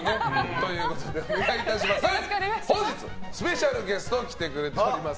本日スペシャルゲスト来てくれております。